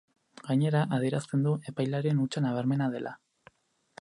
Gainera, adierazten du, epailearen hutsa nabarmena dela.